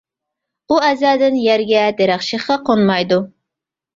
ئۇ ئەزەلدىن يەرگە، دەرەخ شېخىغا قونمايدۇ.